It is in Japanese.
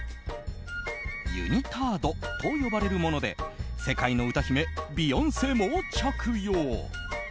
ユニタードと呼ばれるもので世界の歌姫ビヨンセも着用。